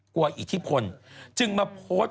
อิทธิพลจึงมาโพสต์